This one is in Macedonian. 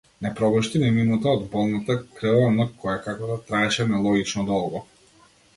Не пропушти ни минута од болната, крвава ноќ која како да траеше нелогично долго.